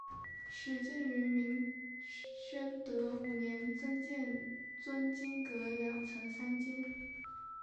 始建于明宣德五年增建尊经阁两层三间。